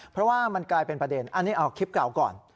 เพราะว่ามันกลายเป็นประเด็นอันนี้เอาคลิปเก่าก่อน